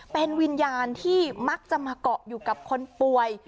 เป็นวิญญาณที่มักจะมาเกาะอยู่กับคนป่วย